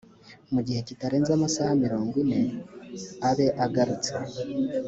mu gihe kitarenze amasaha mirongo ine abe agarutse